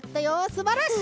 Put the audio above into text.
すばらしい！